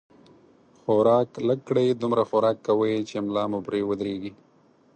خوراک لږ کړئ، دومره خوراک کوئ، چې ملا مو پرې ودرېږي